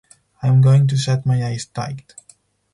I’m going to shut my eyes tight.